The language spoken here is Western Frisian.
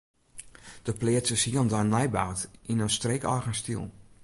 De pleats is hielendal nij boud yn in streekeigen styl.